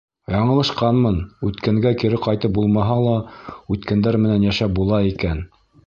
Яңылышҡанмын, үткәнгә кире ҡайтып булмаһа ла, үткәндәр менән йәшәп була икән.